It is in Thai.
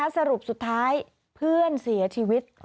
สรุปสุดท้ายเพื่อนเสียชีวิต